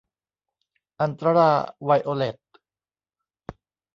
อัลตราไวโอเลต